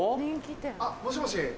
あっもしもし